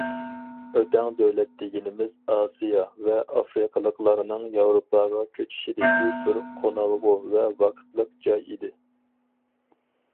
ئۆتەڭ دۆلەت دېگىنىمىز ئاسىيا ۋە ئافرىقىلىقلارنىڭ ياۋروپاغا كۆچۈشىدىكى بىر قونالغۇ ۋە ۋاقىتلىق جاي ئىدى.